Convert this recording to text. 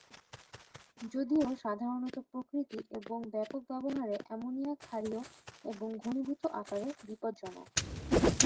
যদিও সাধারণত প্রকৃতি এবং ব্যাপক ব্যবহারে, অ্যামোনিয়া ক্ষারীয় এবং ঘনীভূত আকারে বিপজ্জনক।